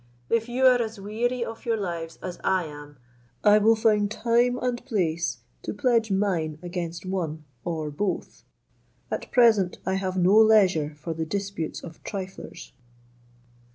"If you are as weary of your lives as I am, I will find time and place to pledge mine against one or both; at present, I have no leisure for the disputes of triflers."